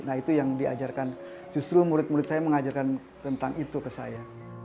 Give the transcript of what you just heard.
nah itu yang diajarkan justru murid murid saya mengajarkan tentang itu ke saya